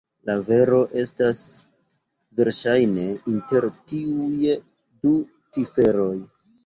La vero estas verŝajne inter tiuj du ciferoj.